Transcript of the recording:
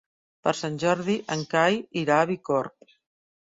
Per Sant Jordi en Cai irà a Bicorb.